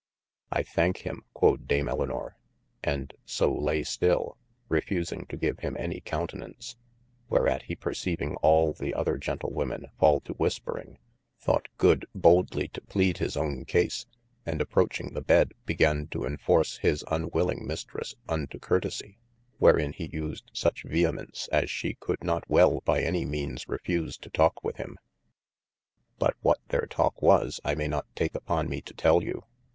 I thank him (quod dame Elinor) & so lay still, refusing to give him any countenace. Whereat he perceiving all the other Gentlewomen fall to whispering, thought good, boldlye to pleade his owne case : and approching the bed began to enforce his unwylling Mistresse unto curtesie, wherein he used such vehemence as she could not wel by any meanes refuse to talk with him : but what their talke was, I may not take upon me to tel you.